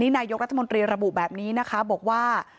นายกรัฐมนตรีระบุแบบนี้นะคะบอกว่า